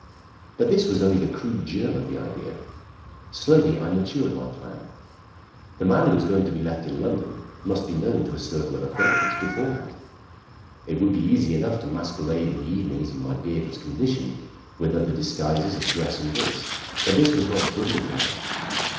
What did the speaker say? But this was only the crude germ of the idea. Slowly I matured my plan. The man who was going to be left in London must be known to a circle of acquaintance beforehand. It would be easy enough to masquerade in the evenings in my beardless condition, with other disguises of dress and voice. But this was not brilliant enough.